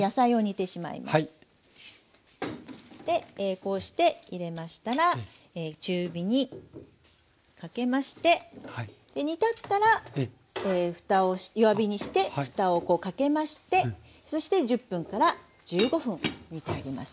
こうして入れましたら中火にかけまして煮立ったら弱火にしてふたをこうかけましてそして１０分から１５分煮てあげます。